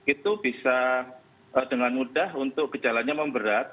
itu bisa dengan mudah untuk gejalanya memberat